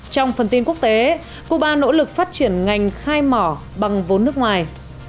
trong phần tin quốc tế cuba nỗ lực phát triển ngành khai mỏ bằng vốn nước ngoài